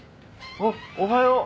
あっおはよう。